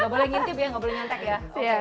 gak boleh ngintip ya gak boleh nyontek ya